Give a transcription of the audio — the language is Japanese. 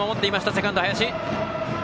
セカンド、林。